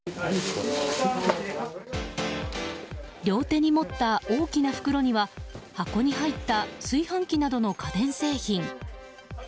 両手に持った大きな袋には箱に入った炊飯器などの家電製品。